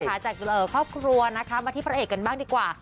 จากครอบครัวนะคะมาที่พระเอกกันบ้างดีกว่า